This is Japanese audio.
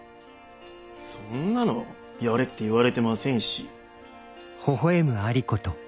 そんなのやれって言われてませんし。